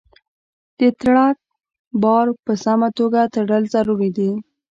د ټرک بار په سمه توګه تړل ضروري دي.